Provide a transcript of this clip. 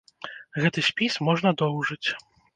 Гэты спіс можна доўжыць.